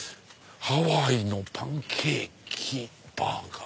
ハワイのパンケーキバーガー。